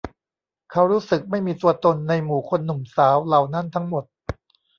เขารู้สึกไม่มีตัวตนในหมู่คนหนุ่มสาวเหล่านั้นทั้งหมด